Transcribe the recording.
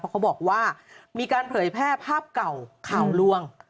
เขาบอกว่ามีการเผยแพร่ภาพเก่าข่าวล่วง